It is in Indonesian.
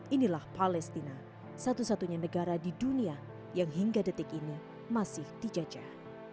inilah palestina satu satunya negara di dunia yang hingga detik ini masih dijajah